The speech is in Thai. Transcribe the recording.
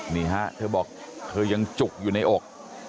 นี่ฮะเธอบอกเธอยังจุกอยู่ในอก